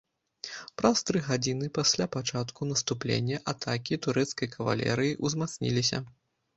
Праз тры гадзіны пасля пачатку наступлення атакі турэцкай кавалерыі ўзмацніліся.